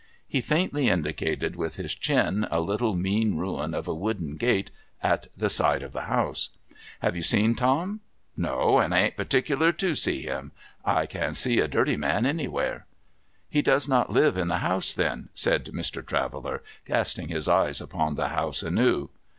He faintly indicated with his chin a little mean ruin of a wooden gate at the side of the house. ■' Have you seen Tom ?'* No, and I ain't partickler to see him. I can see a dirty man anywhere.' ' He does not live in the house, then ?' said Mr. Traveller, casting his eyes upon the house anew.